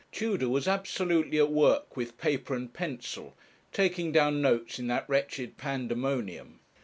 Tudor was absolutely at work with paper and pencil, taking down notes in that wretched Pandemonium.